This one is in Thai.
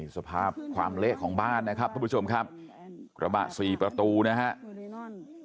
สภาพความเละของบ้านนะครับหุระบะ๔ประตูนะครับ